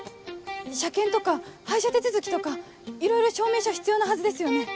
車検とか廃車手続きとかいろいろ証明書必要なはずですよね。